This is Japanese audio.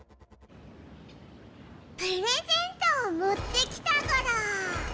プレゼントをもってきたゴロ。